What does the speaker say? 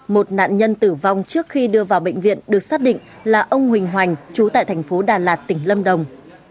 một nạn nhân tử vong trước khi đưa vào bệnh viện được xác định là ông huỳnh hoành chú tại thành phố đà lạt tỉnh lâm đồng